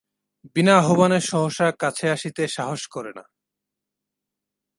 বিনা আহ্বানে সহসা কাছে আসিতে সাহস করে না।